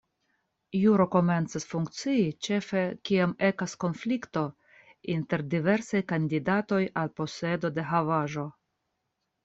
Juro komencas funkcii ĉefe kiam ekas konflikto inter diversaj kandidatoj al posedo de havaĵo.